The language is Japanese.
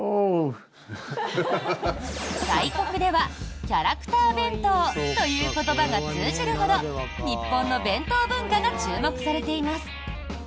外国ではキャラクター弁当という言葉が通じるほど日本の弁当文化が注目されています。